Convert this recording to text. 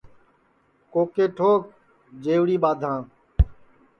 کوکے ٹھوک جئوڑی بادھاں